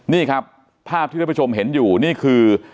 นี่ครับภาพที่ท่านผู้ชมเห็นอยู่นี่คือ